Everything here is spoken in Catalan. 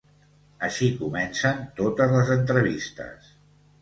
Així comencen totes les entrevistes.